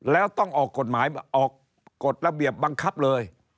แล้วต้องออกกฎหมายออกกฎระเบียบบังคับเลย